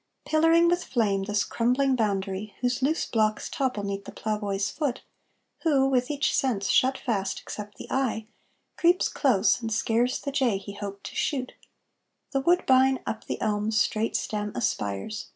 Pillaring with flame this crumbling boundary, Whose loose blocks topple 'neath the ploughboy's foot, Who, with each sense shut fast except the eye, Creeps close and scares the jay he hoped to shoot, The woodbine up the elm's straight stem aspires.